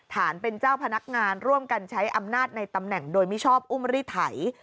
ฐานเป็นเจ้าพนักงานร่วมกันใช้อำนาจในตำแหน่งโดยมิชอบอุ้มรีไถ